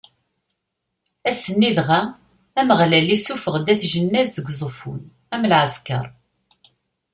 Ass-nni dɣa, Ameɣlal issufeɣ-d At Jennad seg Uẓeffun, am lɛeskeṛ.